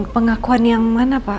pengakuan yang mana pak